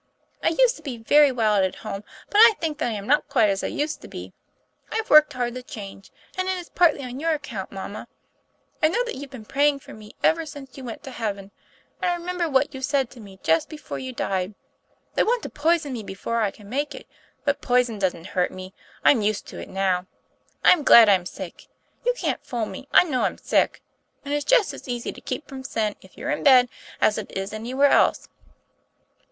I used to be very wild at home, but I think that I am not quite as I used to be. I've worked hard to change, and it is partly on your account, mamma. I know that you've been praying for me ever since you went to heaven; and I remember what you said to me just before you died. They want to poison me before I can make it. But poison doesn't hurt me. I'm used to it now. I'm glad I'm sick. You can't fool me; I know I'm sick; and it's just as easy to keep from sin if you're in bed as it is anywhere else.